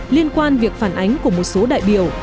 liên quan việc phản ánh của một số đại biểu